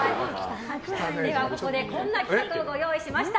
ここでこんな企画をご用意しました。